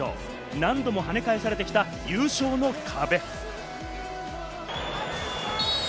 何度も跳ね返されてきた優勝の壁。